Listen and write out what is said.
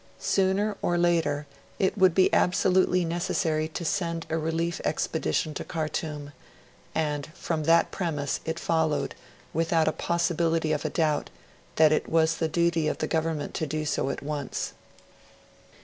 Sooner or later, it would be absolutely necessary to send a relief expedition to Khartoum; and, from that premise, it followed, without a possibility of doubt, that it was the duty of the Government to do so at once.